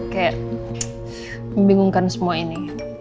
kayak membingungkan semua ini